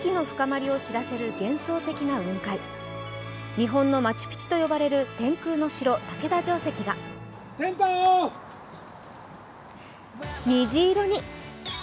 日本のマチュピチュと呼ばれる天空の城・竹田城址が虹色に。